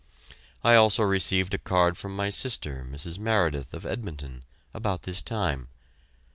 I also received a card from my sister, Mrs. Meredith, of Edmonton, about this time.